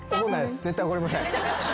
絶対怒りません。